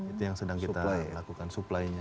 itu yang sedang kita lakukan supply nya